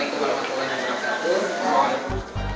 dan juga berkata al quran